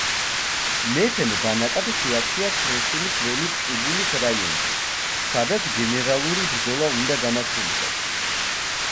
მეფემ ბანაკად შეარჩია ხრესილის ველი ტყიბულის რაიონში სადაც გენერალური ბრძოლა უნდა გამართულიყო.